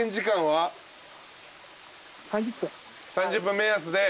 ３０分目安で。